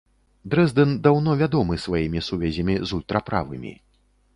Дрэздэн даўно вядомы сваімі сувязямі з ультраправымі.